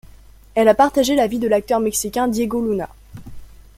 Elle a partagé la vie de l'acteur mexicain Diego Luna.